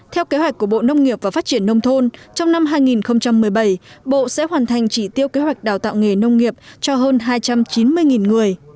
theo kế hoạch của bộ nông nghiệp và phát triển nông thôn trong năm hai nghìn một mươi bảy bộ sẽ hoàn thành chỉ tiêu kế hoạch đào tạo nghề nông nghiệp cho hơn hai trăm chín mươi người